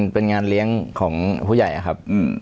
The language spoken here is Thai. เป็นงานเลี้ยงของผู้ใหญ่อะครับ